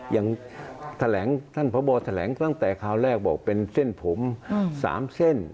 อย่างแถลงท่านพบแถลงตั้งแต่คราวแรกบอกเป็นเส้นผม๓เส้น